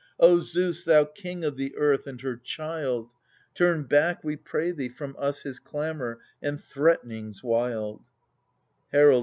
O Zeus, thou king of the earth, and her child ! Turn back, we pray thee, from us his clamour and threaten ings wild